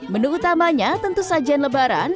menu utamanya tentu sajian lebaran